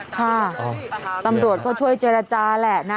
ค่ะตำรวจก็ช่วยเจรจาแหละนะ